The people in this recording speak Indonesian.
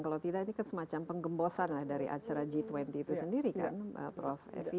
kalau tidak ini kan semacam penggembosan lah dari acara g dua puluh itu sendiri kan prof evi